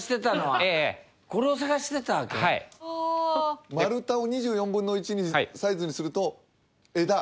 はい丸太を２４分の１サイズにすると枝